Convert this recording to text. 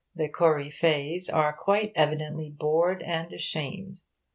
The coryphe'es are quite evidently bored and ashamed.